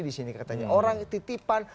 di sini katanya orang titipan